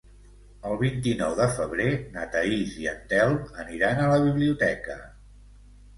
El vint-i-nou de febrer na Thaís i en Telm aniran a la biblioteca.